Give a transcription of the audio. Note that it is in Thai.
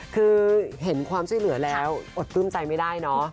คือเห็นความช่วยเหลือแล้วอดปลื้มใจไม่ได้เนอะ